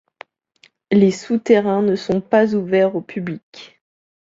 Les souterrains ne sont pas ouverts au public.